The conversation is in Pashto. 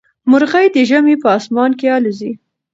مرغۍ د ژمي په اسمان کې الوزي.